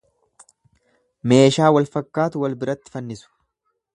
Meeshaa wal fakkaatu wal biratti fannisu.